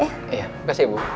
iya makasih bu